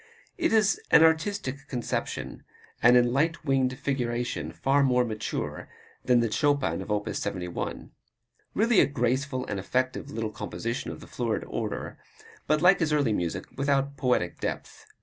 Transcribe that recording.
It is an artistic conception, and in "light winged figuration" far more mature than the Chopin of op. 71. Really a graceful and effective little composition of the florid order, but like his early music without poetic depth.